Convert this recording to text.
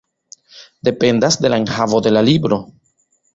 Dependas de la enhavo de la libro.